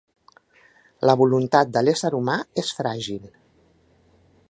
La voluntat de l'ésser humà és fràgil.